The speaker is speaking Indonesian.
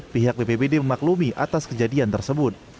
pihak bpbd memaklumi atas kejadian tersebut